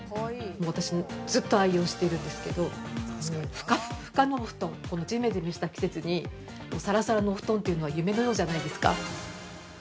私もずっと愛用してるんですけど、もう、ふかふかっのお布団、このじめじめした季節にさらさらのお布団というのは夢のようじゃないですか。